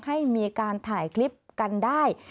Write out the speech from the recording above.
ให้มีการถ่ายคลิปกันได้